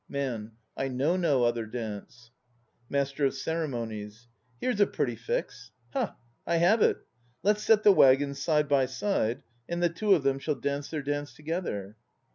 MAN. I know no other dance. MASTER OF CEREMONIES. Here's a pretty fix! Ha, I have it! Let's set the waggons side by side, and the two of them shall dance their dance together.